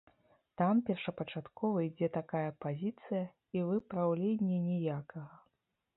Там першапачаткова ідзе такая пазіцыя, і выпраўлення ніякага.